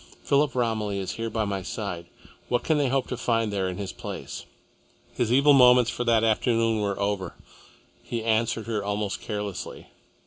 Philip Romilly is here by my side. What can they hope to find there in his place?" His evil moments for that afternoon were over. He answered her almost carelessly.